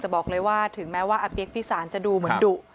บอกเลยว่าถึงแม้ว่าอาเปี๊ยกพิสารจะดูเหมือนดุ